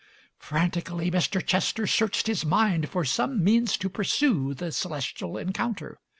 Frantically Mr. Chester searched his mind for some means to pursue the celestial encounter.